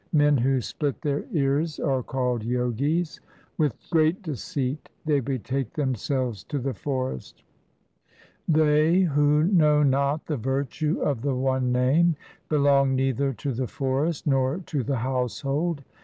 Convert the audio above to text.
Men who split their ears are called Jogis ; With great deceit they betake themselves to the forest. They who know not the virtue of the One Name, Belong neither to the forest nor to the household.